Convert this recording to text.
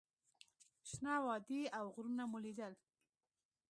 شنه وادي او غرونه مو لیدل.